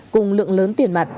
cùng lượng lớn tiền mặt